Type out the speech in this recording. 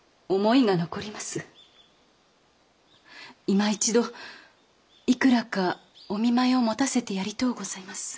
いま一度いくらかお見舞いを持たせてやりとうございます。